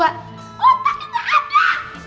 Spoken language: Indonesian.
otak itu ada